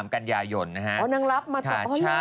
กันยายนนะฮะ